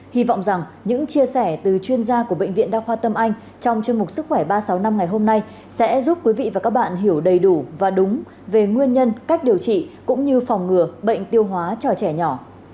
hy vọng rằng những chia sẻ từ chuyên gia của bệnh viện đa khoa tâm anh trong chương mục sức khỏe ba trăm sáu mươi năm ngày hôm nay sẽ giúp quý vị và các bạn hiểu đầy đủ và đúng về nguyên nhân cách điều trị cũng như phòng ngừa bệnh tiêu hóa cho trẻ nhỏ